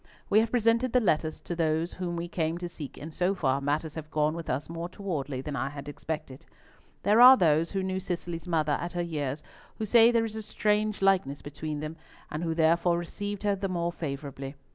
We have presented the letters to those whom we came to seek, and so far matters have gone with us more towardly than I had expected. There are those who knew Cicely's mother at her years who say there is a strange likeness between them, and who therefore received her the more favourably.